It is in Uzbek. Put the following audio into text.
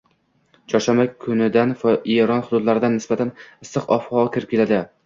Chorshanba kunidan Eron hududlaridan nisbatan issiq ob-havo kirib keladi